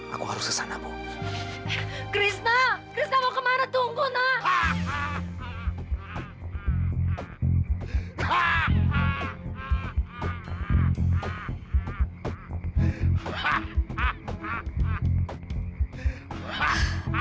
aku harus ke sana bu krishna kristal kemana tunggu nah